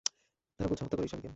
তারা বলছে, হত্যা কর এই সাবীকে।